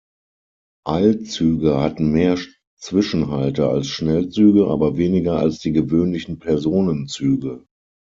Eilzüge hatten mehr Zwischenhalte als Schnellzüge, aber weniger als die gewöhnlichen Personenzüge.